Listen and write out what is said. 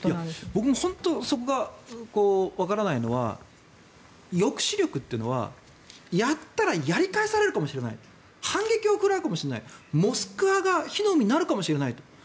僕も本当にそこがわからないのが抑止力というのは、やったらやり返されるかもしれない反撃を食らうかもしれないモスクワが火の海になるかもしれないと。